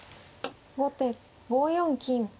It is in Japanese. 後手５四金。